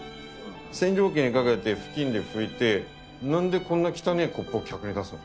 洗浄機にかけて布巾で拭いてなんでこんな汚ねえコップを客に出すの？